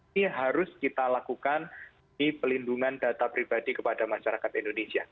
ini harus kita lakukan di pelindungan data pribadi kepada masyarakat indonesia